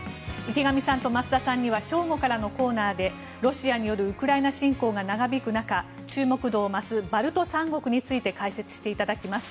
池上さんと増田さんには正午からのコーナーでロシアによるウクライナ侵攻が長引く中注目度を増すバルト三国について解説していただきます。